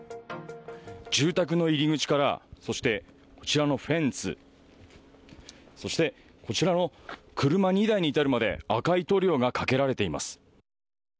住宅の入り口からそして、こちらのフェンスそして、こちらの車２台に至るまで赤い塗料がかけられています。